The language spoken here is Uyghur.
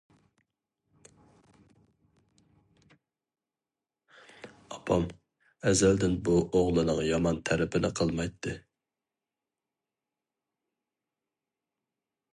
ئاپام ئەزەلدىن بۇ ئوغلىنىڭ يامان تەرىپىنى قىلمايتتى.